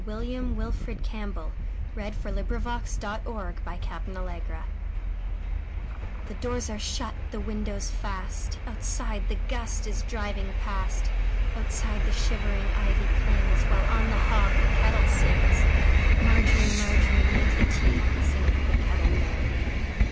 William Wilfred Campbell 1861–1918 A Canadian Folk Song CampbllWW THE DOORS are shut, the windows fast, Outside the gust is driving past, Outside the shivering ivy clings, While on the hob the kettle sings. Margery, Margery, make the tea, Singeth the kettle merrily.